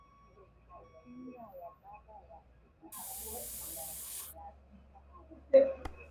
Kinga ya baba yaku mashamba inalabika sasa